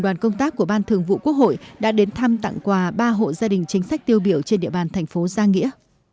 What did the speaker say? đoàn công tác của ban thường vụ quốc hội đã đến thăm tặng quà ba hộ gia đình chính sách tiêu biểu trên địa bàn thành phố giang nghĩa